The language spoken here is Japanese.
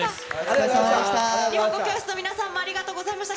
日本語教室の皆さんもありがとうございました。